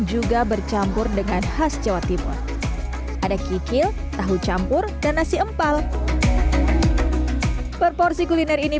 juga bercampur dengan khas jawa timur ada kikil tahu campur dan nasi empal proporsi kuliner ini